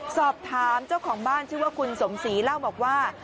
สอบถามเจ้าของบ้านชื่อว่าคุณสมศรีเล่าบอกว่า